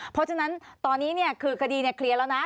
เพราะฉะนั้นตอนนี้คือคดีเคลียร์แล้วนะ